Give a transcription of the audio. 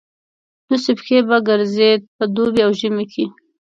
لوڅې پښې به ګرځېد په دوبي او ژمي کې.